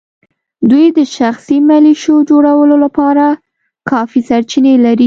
دوی د شخصي ملېشو جوړولو لپاره کافي سرچینې لري.